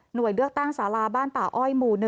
โดยเลือกตั้งสาราบ้านป่าอ้อยหมู่๑